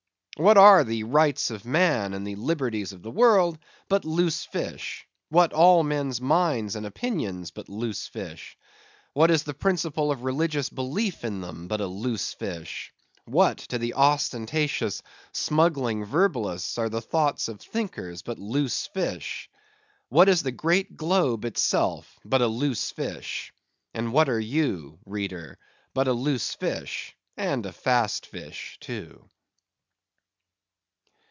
What are the Rights of Man and the Liberties of the World but Loose Fish? What all men's minds and opinions but Loose Fish? What is the principle of religious belief in them but a Loose Fish? What to the ostentatious smuggling verbalists are the thoughts of thinkers but Loose Fish? What is the great globe itself but a Loose Fish? And what are you, reader, but a Loose Fish and a Fast Fish, too?